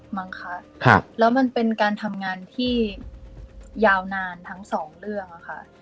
มั้งคะแล้วมันเป็นการทำงานที่ยาวนานทั้งสองเรื่องค่ะ